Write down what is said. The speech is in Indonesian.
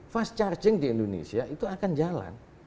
fast charging di indonesia itu akan jalan